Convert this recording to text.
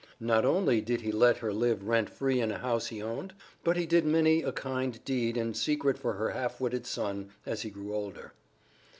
Not only did he let her live rent free in a house he owned, but he did many a kind deed secretly for her half witted son as he grew older.